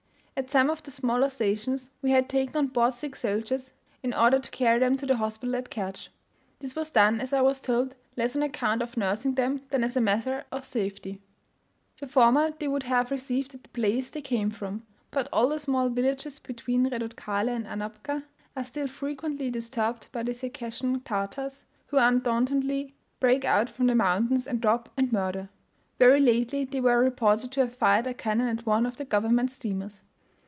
At some of the smaller stations, we had taken on board sick soldiers, in order to carry them to the hospital at Kertsch. This was done, as I was told, less on account of nursing them than as a measure of safety. The former they would have received at the place they came from; but all the small villages between Redutkale and Anapka are still frequently disturbed by the Circassian Tartars, who undauntedly break out from the mountains and rob and murder. Very lately they were reported to have fired a cannon at one of the government steamers.